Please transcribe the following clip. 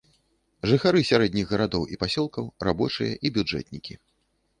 Жыхары сярэдніх гарадоў і пасёлкаў, рабочыя і бюджэтнікі.